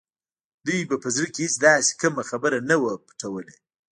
دوی به په زړه کې هېڅ داسې کومه خبره نه وه پټوله